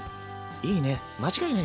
いいね。